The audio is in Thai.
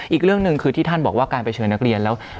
อีกเรื่องหนึ่งคือที่ท่านบอกว่าการไปเชิญนักเรียนแล้ว